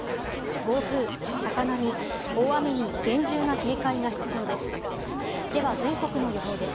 暴風、高波、大雨に厳重な警戒が必要です。